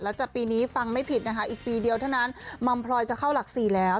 แล้วจะปีนี้ฟังไม่ผิดนะคะอีกปีเดียวเท่านั้นมัมพลอยจะเข้าหลัก๔แล้ว